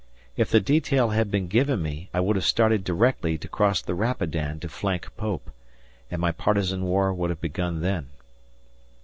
If the detail had been given me, I would have started directly to cross the Rapidan to flank Pope, and my partisan war would have begun then.